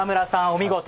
お見事！